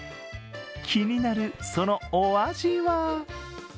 気になるそのお味は？